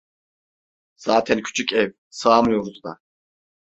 Zaten küçük ev, sığamıyoruz da…